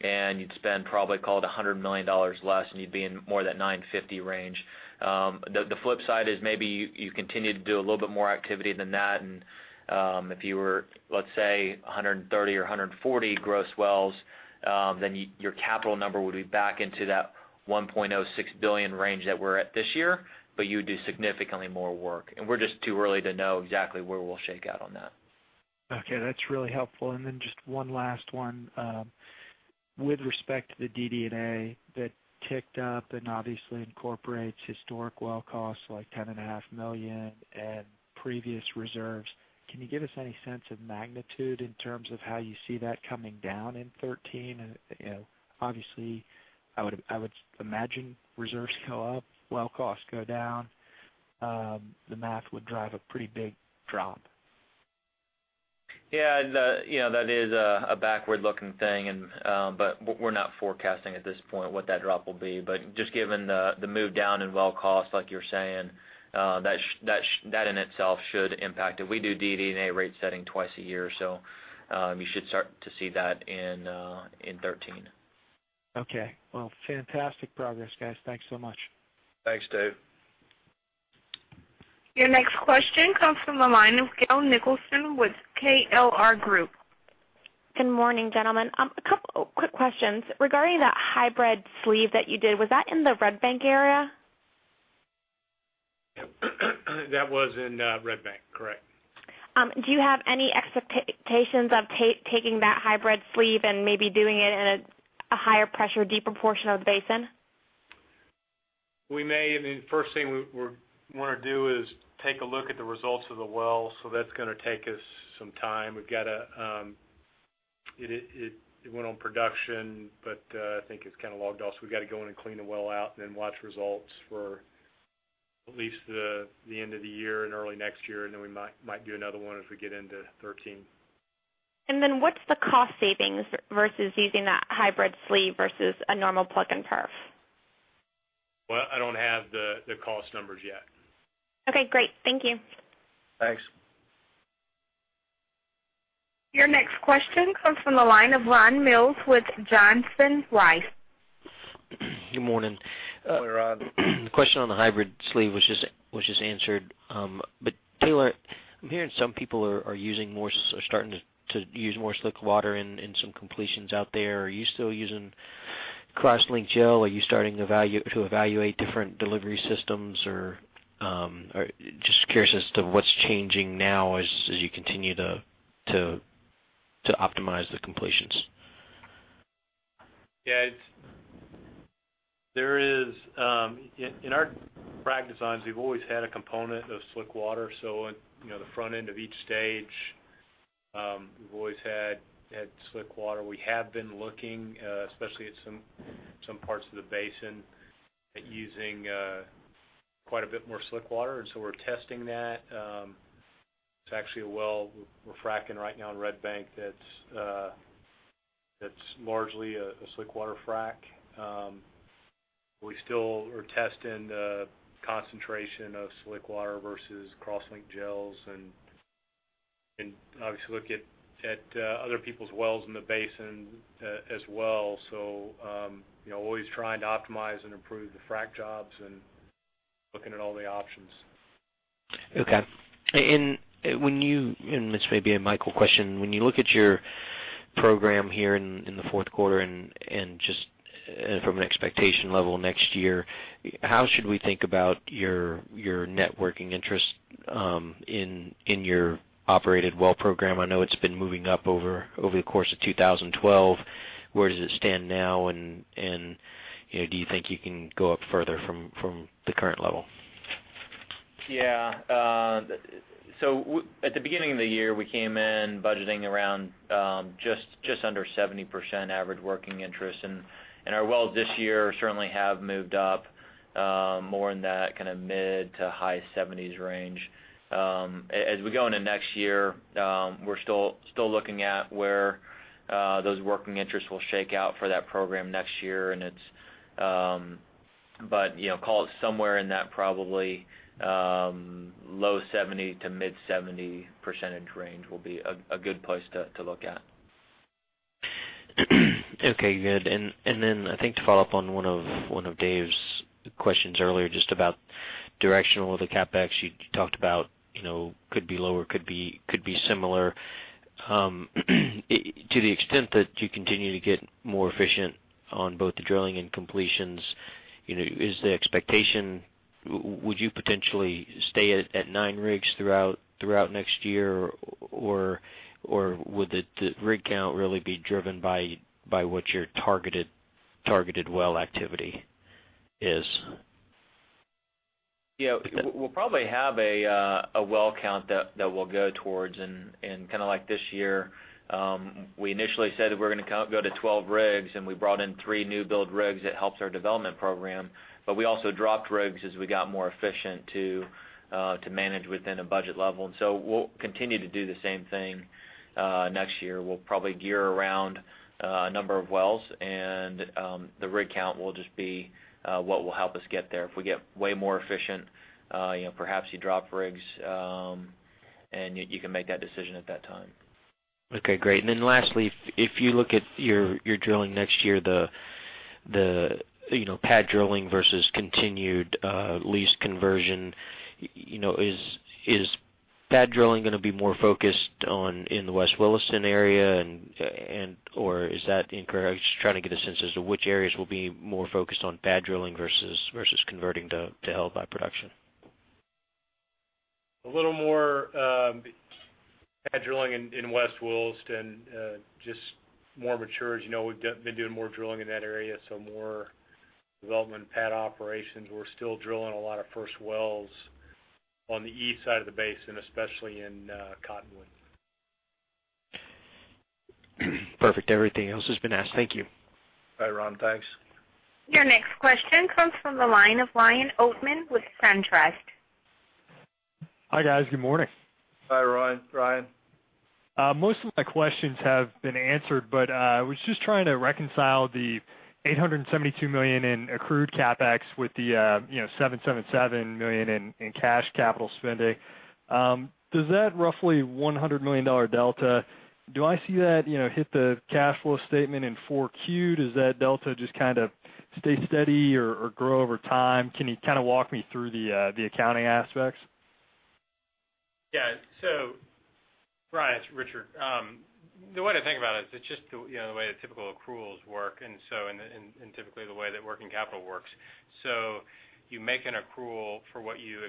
and you'd spend probably call it $100 million less, and you'd be in more that $950 million range. The flip side is maybe you continue to do a little bit more activity than that, and if you were, let's say, 130 or 140 gross wells, then your capital number would be back into that $1.06 billion range that we're at this year, but you would do significantly more work. We're just too early to know exactly where we'll shake out on that. Okay, that's really helpful. Then just one last one. With respect to the DD&A that ticked up and obviously incorporates historic well costs like $10.5 million and previous reserves, can you give us any sense of magnitude in terms of how you see that coming down in 2013? Obviously, I would imagine reserves go up, well costs go down. The math would drive a pretty big drop. Yeah. That is a backward-looking thing. We're not forecasting at this point what that drop will be. Just given the move down in well cost, like you're saying, that in itself should impact it. We do DD&A rate setting twice a year. You should start to see that in 2013. Okay. Well, fantastic progress, guys. Thanks so much. Thanks, Dave. Your next question comes from the line of Gail Nicholson with KLR Group. Good morning, gentlemen. A couple quick questions. Regarding that hybrid sleeve that you did, was that in the Red Bank area? That was in Red Bank, correct. Do you have any expectations of taking that hybrid sleeve and maybe doing it in a higher pressure, deeper portion of the basin? We may. The first thing we want to do is take a look at the results of the well. That's going to take us some time. It went on production, but I think it's logged off. We've got to go in and clean the well out, and then watch results for at least the end of the year and early next year. Then we might do another one as we get into 2013. What's the cost savings versus using that hybrid sleeve versus a normal plug and perf? Well, I don't have the cost numbers yet. Okay, great. Thank you. Thanks. Your next question comes from the line of Ron Mills with Johnson Rice. Good morning. Good morning, Ron. The question on the hybrid sleeve was just answered. Taylor, I'm hearing some people are starting to use more slick water in some completions out there. Are you still using cross-linked gel? Are you starting to evaluate different delivery systems or Just curious as to what's changing now as you continue to optimize the completions. Yeah. In our frac designs, we've always had a component of slick water. At the front end of each stage, we've always had slick water. We have been looking, especially at some parts of the basin, at using quite a bit more slick water, and we're testing that. There's actually a well we're fracking right now in Red Bank that's largely a slick water frac. We still are testing the concentration of slick water versus cross-linked gels and obviously look at other people's wells in the basin as well. Always trying to optimize and improve the frac jobs and looking at all the options. Okay. This may be a Michael question. When you look at your program here in the fourth quarter and just from an expectation level next year, how should we think about your net working interest in your operated well program? I know it's been moving up over the course of 2012. Where does it stand now, and do you think you can go up further from the current level? Yeah. At the beginning of the year, we came in budgeting around just under 70% average working interest, and our wells this year certainly have moved up more in that mid to high 70s range. We go into next year, we're still looking at where those working interests will shake out for that program next year, but call it somewhere in that probably low 70 to mid 70 percentage range will be a good place to look at. Okay, good. I think to follow up on one of Dave's questions earlier, just about directional, the CapEx you talked about could be lower, could be similar. To the extent that you continue to get more efficient on both the drilling and completions, is the expectation, would you potentially stay at nine rigs throughout next year, or would the rig count really be driven by what your targeted well activity is? Yeah. We'll probably have a well count that we'll go towards, like this year, we initially said that we're going to go to 12 rigs, and we brought in three new build rigs that helps our development program. We also dropped rigs as we got more efficient to manage within a budget level. We'll continue to do the same thing next year. We'll probably gear around a number of wells, and the rig count will just be what will help us get there. If we get way more efficient, perhaps you drop rigs, and you can make that decision at that time. Okay, great. Lastly, if you look at your drilling next year, the pad drilling versus continued lease conversion, is pad drilling going to be more focused in the West Williston area or is that incorrect? I'm just trying to get a sense as to which areas will be more focused on pad drilling versus converting to held by production. A little more pad drilling in West Williston, just more mature. As you know, we've been doing more drilling in that area, so more development pad operations. We're still drilling a lot of first wells on the east side of the basin, especially in Cottonwood. Perfect. Everything else has been asked. Thank you. Bye, Ron. Thanks. Your next question comes from the line of Ryan Oatman with SunTrust. Hi, guys. Good morning. Hi, Ryan. Most of my questions have been answered, I was just trying to reconcile the $872 million in accrued CapEx with the $777 million in cash capital spending. Does that roughly $100 million delta, do I see that hit the cash flow statement in 4Q? Does that delta just stay steady or grow over time? Can you walk me through the accounting aspects? Yes. Ryan, it's Richard. The way to think about it is it's just the way the typical accruals work and typically the way that working capital works. You make an accrual for what you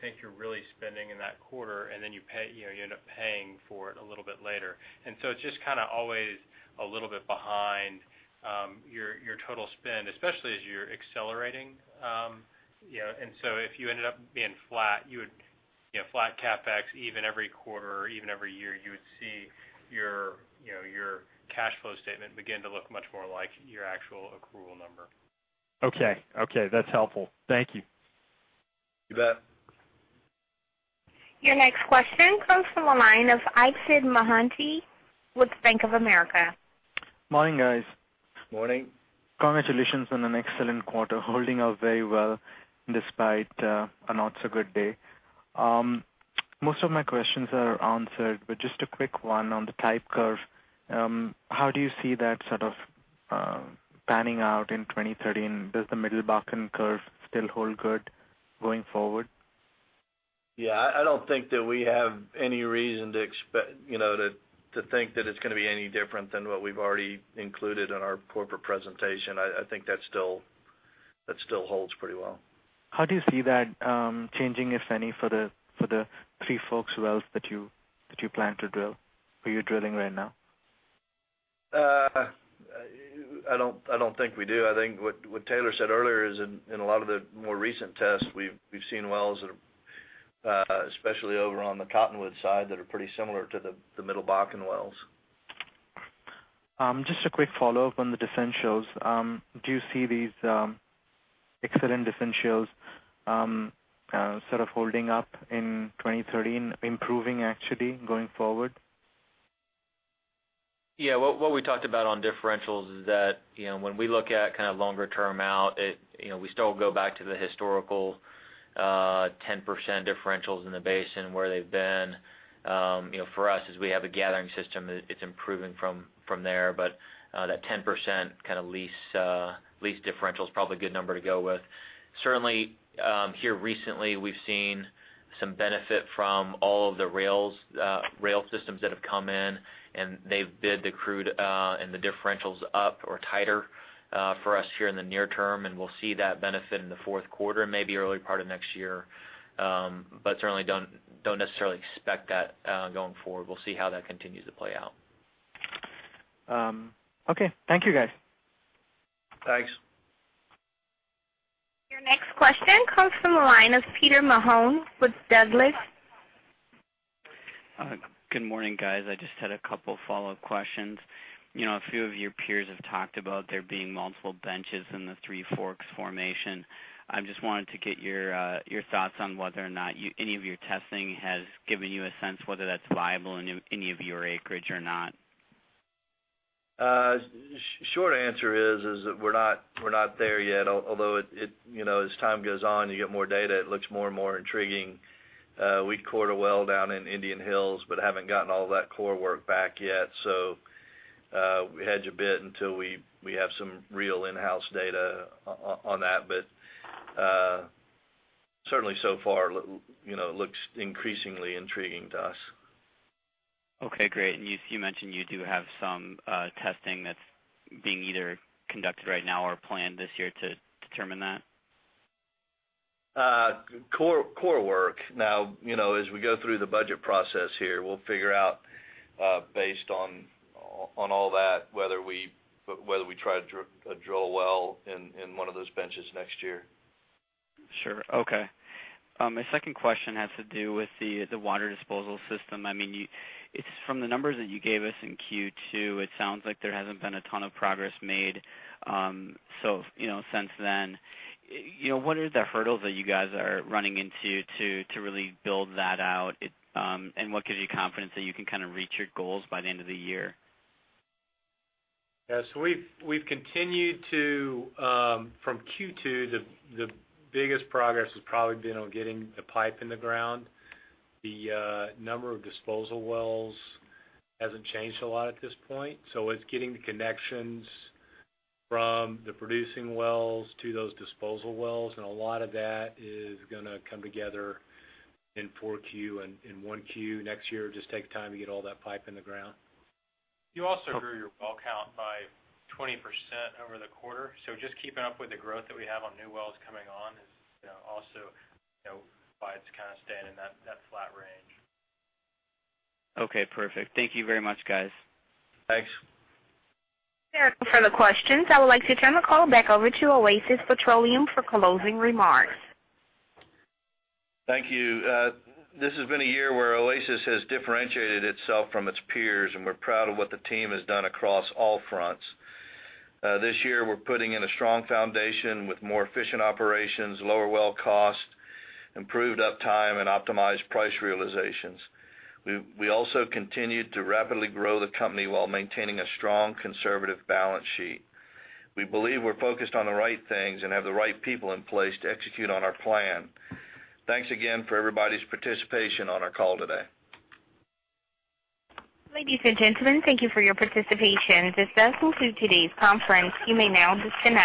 think you're really spending in that quarter, and then you end up paying for it a little bit later. It's just always a little bit behind your total spend, especially as you're accelerating. If you ended up being flat CapEx even every quarter or even every year, you would see your cash flow statement begin to look much more like your actual accrual number. Okay. That's helpful. Thank you. You bet. Your next question comes from the line of Aakash Mohanty with Bank of America. Morning, guys. Morning. Congratulations on an excellent quarter. Holding out very well despite a not so good day. Most of my questions are answered, but just a quick one on the type curve. How do you see that panning out in 2013? Does the Middle Bakken curve still hold good going forward? Yeah, I don't think that we have any reason to think that it's going to be any different than what we've already included in our corporate presentation. I think that still holds pretty well. How do you see that changing, if any, for the Three Forks wells that you plan to drill, or you're drilling right now? I don't think we do. I think what Taylor said earlier is in a lot of the more recent tests, we've seen wells that are, especially over on the Cottonwood side, that are pretty similar to the Middle Bakken wells. Just a quick follow-up on the differentials. Do you see these excellent differentials holding up in 2030, improving actually going forward? Yeah. What we talked about on differentials is that when we look at longer term out, we still go back to the historical 10% differentials in the basin where they've been. For us, as we have a gathering system, it's improving from there. That 10% lease differential is probably a good number to go with. Certainly, here recently, we've seen some benefit from all of the rail systems that have come in, and they've bid the crude and the differentials up or tighter for us here in the near term, and we'll see that benefit in the fourth quarter and maybe early part of next year. Certainly don't necessarily expect that going forward. We'll see how that continues to play out. Okay. Thank you, guys. Thanks. Your next question comes from the line of Peter Malone with Douglas. Good morning, guys. I just had a couple follow-up questions. A few of your peers have talked about there being multiple benches in the Three Forks formation. I just wanted to get your thoughts on whether or not any of your testing has given you a sense whether that's viable in any of your acreage or not. Short answer is that we're not there yet, although, as time goes on, you get more data, it looks more and more intriguing. We cored a well down in Indian Hills, haven't gotten all that core work back yet. We hedge a bit until we have some real in-house data on that. Certainly so far, it looks increasingly intriguing to us. Okay, great. You mentioned you do have some testing that's being either conducted right now or planned this year to determine that? Core work. As we go through the budget process here, we'll figure out based on all that, whether we try to drill a well in one of those benches next year. Sure. Okay. My second question has to do with the water disposal system. From the numbers that you gave us in Q2, it sounds like there hasn't been a ton of progress made since then. What are the hurdles that you guys are running into to really build that out? What gives you confidence that you can reach your goals by the end of the year? We've continued to, from Q2, the biggest progress has probably been on getting the pipe in the ground. The number of disposal wells hasn't changed a lot at this point, so it's getting the connections from the producing wells to those disposal wells, and a lot of that is going to come together in 4Q and in 1Q next year. Just take time to get all that pipe in the ground. You also grew your well count by 20% over the quarter. Just keeping up with the growth that we have on new wells coming on is also why it's staying in that flat range. Okay, perfect. Thank you very much, guys. Thanks. There are no further questions. I would like to turn the call back over to Oasis Petroleum for closing remarks. Thank you. This has been a year where Oasis has differentiated itself from its peers, and we're proud of what the team has done across all fronts. This year, we're putting in a strong foundation with more efficient operations, lower well cost, improved uptime, and optimized price realizations. We also continued to rapidly grow the company while maintaining a strong conservative balance sheet. We believe we're focused on the right things and have the right people in place to execute on our plan. Thanks again for everybody's participation on our call today. Ladies and gentlemen, thank you for your participation. This does conclude today's conference. You may now disconnect.